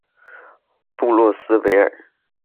布洛斯维尔。